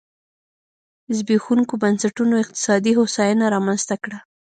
زبېښونکو بنسټونو اقتصادي هوساینه رامنځته کړه.